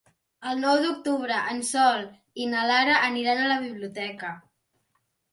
El nou d'octubre en Sol i na Lara aniran a la biblioteca.